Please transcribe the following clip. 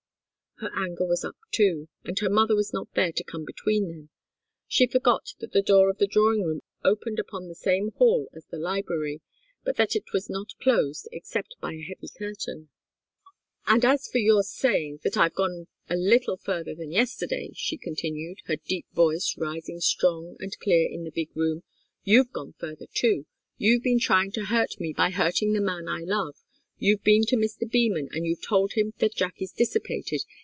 Her anger was up, too, and her mother was not there to come between them. She forgot that the door of the drawing room opened upon the same hall as the library, but that it was not closed except by a heavy curtain. "And as for your saying that I've gone a little further than yesterday," she continued, her deep voice rising strong and clear in the big room, "you've gone further, too. You've been trying to hurt me by hurting the man I love. You've been to Mr. Beman, and you've told him that Jack is dissipated.